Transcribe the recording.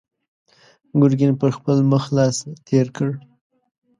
ګرګين پر خپل مخ لاس تېر کړ.